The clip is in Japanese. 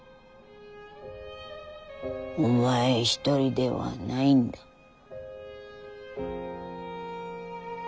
お前一人ではないんだ決して。